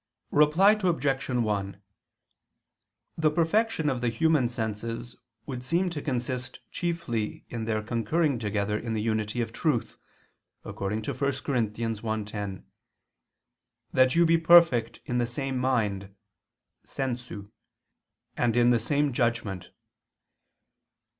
Reply Obj. 1: The perfection of the human senses would seem to consist chiefly in their concurring together in the unity of truth, according to 1 Cor. 1:10, "That you be perfect in the same mind (sensu), and in the same judgment."